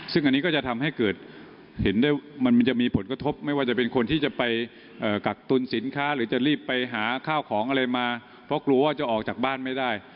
ซึ่งอันนี้ก็จะทำให้เกิดเห็นได้ว่ามันจะมีผลกระทบไม่ว่าจะเป็นคนที่จะไปกักตุลสินค้าหรือจะรีบไปหาข้าวของอะไรมาเพราะกลัวว่าจะออกจากบ้านไม่ได้